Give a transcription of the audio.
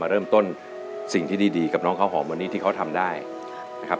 เริ่มต้นสิ่งที่ดีกับน้องข้าวหอมวันนี้ที่เขาทำได้นะครับ